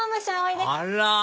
あら！